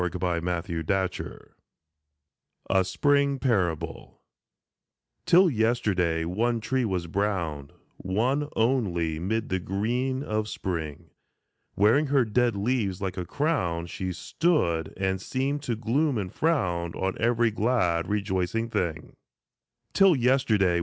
A SPRING PARABLE 139 A SPRING PARABLE TILL yesterday one tree was brown, One only, mid the green of spring ; Wearing her dead leaves like a crown She stood, and seemed to gloom and frown On every glad rejoicing thing, Till yesterday